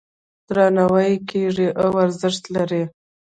درناوی یې کیږي او ارزښت لري.